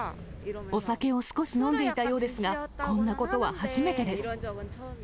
お酒を少し飲んでいたようですが、こんなことは初めてです。